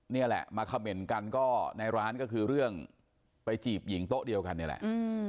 นี่แหละมาเขม่นกันก็ในร้านก็คือเรื่องไปจีบหญิงโต๊ะเดียวกันนี่แหละ